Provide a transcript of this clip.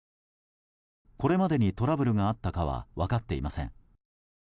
これまでにトラブルがあったかは分かっていません。